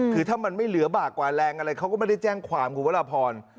คือถ้ามันไม่เหลือบากกว่าแรงอะไรเขาก็ไม่ได้แจ้งความคุณวรพร